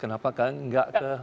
kenapa tidak kepolitesi